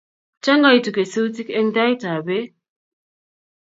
Changaitu kesutik eng' ndaet ab peek